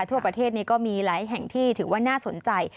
ทั่วประเทศนี้ก็มีหลายแห่งที่ถือว่าน่าสนใจ